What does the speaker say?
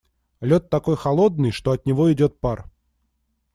Лед такой холодный, что от него идёт пар.